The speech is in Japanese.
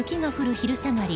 昼下がり